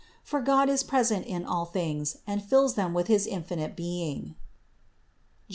For God is present in all things and fills them with his infinite being (Jer.